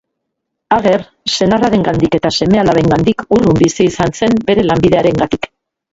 Ager senarrarengandik eta seme-alabengandik urrun bizi izan zen bere lanbidearengatik.